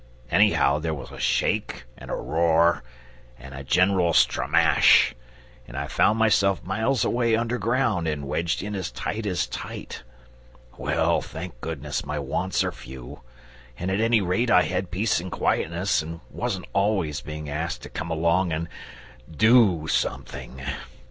Anyhow there was a shake and a roar and a general stramash, and I found myself miles away underground and wedged in as tight as tight. Well, thank goodness, my wants are few, and at any rate I had peace and quietness and wasn't always being asked to come along and DO something.